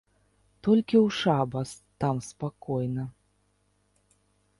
Толькі ў шабас там спакойна.